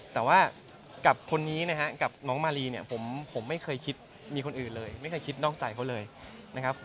แต่ว่ากับคนนี้นะฮะกับน้องมารีเนี่ยผมไม่เคยคิดมีคนอื่นเลยไม่เคยคิดนอกใจเขาเลยนะครับ